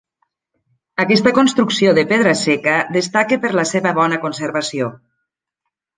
Aquesta construcció de pedra seca destaca per la seva bona conservació.